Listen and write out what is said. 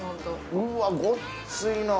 うわごっついの。